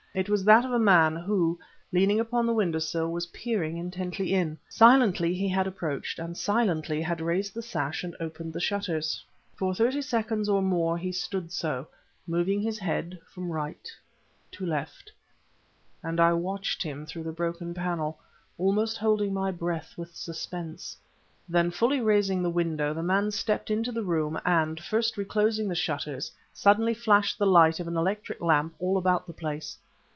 It was that of a man who, leaning upon the window sill, was peering intently in. Silently he had approached, and silently had raised the sash and opened the shutters. For thirty seconds or more he stood so, moving his head from right to left ... and I watched him through the broken panel, almost holding my breath with suspense. Then, fully raising the window, the man stepped into the room, and, first reclosing the shutters, suddenly flashed the light of an electric lamp all about the place.